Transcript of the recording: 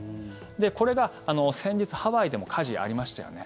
これが先日ハワイでも火事ありましたよね。